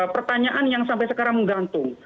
pertanyaan yang sampai sekarang menggantung